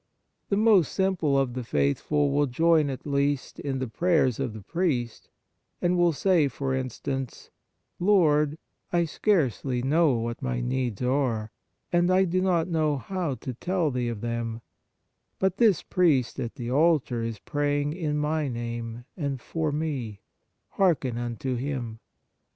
The most simple of the faithful 74 Holy Mass will join at least in the prayers of the priest, and will say, for instance :" Lord, I scarcely know what my needs are, and I do not know how to tell Thee of them ; but this priest at the altar is praying in my name and for me ; hearken unto him.